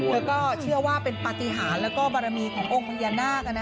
เธอก็เชื่อว่าเป็นปฏิหารแล้วก็บารมีขององค์พญานาค